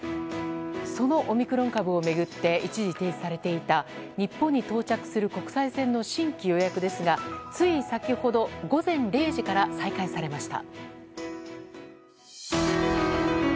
そのオミクロン株を巡って一時停止されていた日本に到着する国際線の新規予約ですがつい先ほど、午前０時から再開されました。